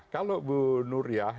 kalau ibu nur yah